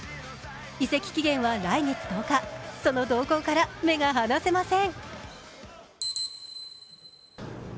移籍期限は来月１０日、その動向から目が離せません。